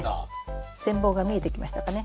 全貌が見えてきましたかね。